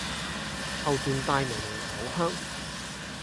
後段帶微微酒香